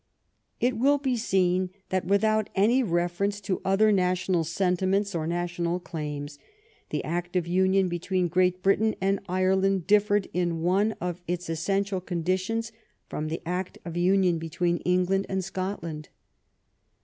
It will be seen that, without any reference to other national sentiments or national claims, the act of union between Great Britain and Ireland differed in one of its essential conditions from the act of union between England and Scotland.